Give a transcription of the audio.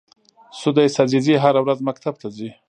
سُدیس عزیزي هره ورځ مکتب ته ځي.